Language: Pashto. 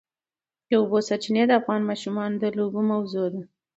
د اوبو سرچینې د افغان ماشومانو د لوبو موضوع ده.